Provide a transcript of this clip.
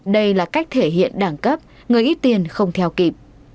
đây là cách thể hiện đẳng cấp người ít tiền không theo kịp